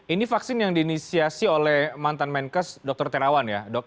ini vaksin yang diinisiasi oleh mantan menkes dr terawan ya dok